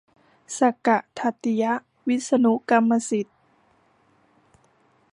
สักกะทัตติยะ วิษณุกรรมประสิทธิ์